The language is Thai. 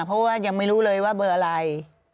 เพราะว่ายังไม่รู้เลยว่าเบอร์อะไร